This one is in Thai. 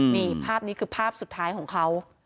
นี่ภาพนี้คือภาพสุดท้ายของเขา